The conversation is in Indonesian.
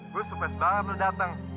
gue supes banget lu datang